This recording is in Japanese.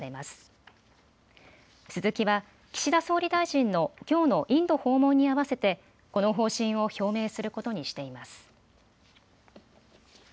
スズキは岸田総理大臣のきょうのインド訪問に合わせてこの方針を表明することにしています。